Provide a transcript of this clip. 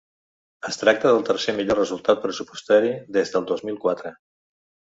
Es tracta del tercer millor resultat pressupostari des de dos mil quatre.